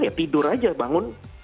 ya tidur aja bangun